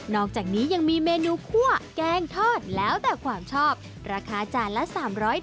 อกจากนี้ยังมีเมนูคั่วแกงทอดแล้วแต่ความชอบราคาจานละ๓๐๐บาท